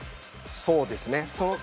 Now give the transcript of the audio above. そうですね。